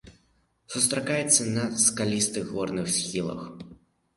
Сустракаецца на скалістых горных схілах.